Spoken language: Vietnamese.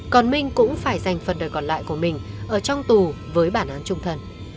còn minh cũng phải dành phần đời còn lại của minh ở trong tù với bản án trung thân